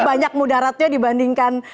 banyak mudaratnya dibandingkan